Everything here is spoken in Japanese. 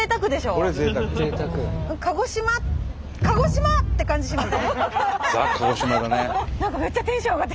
鹿児島！って感じしません？